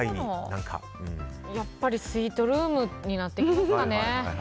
やっぱりスイートルームになってきますかね。